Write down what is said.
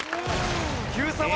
Ｑさま！！